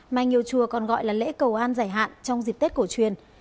mà nhiều chùa còn gọi là lễ cầu an giải hạn trong dịp tết cổ truyền